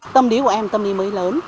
tâm lý của em tâm lý mới lớn